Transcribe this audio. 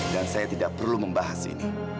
dan saya tidak perlu membahas ini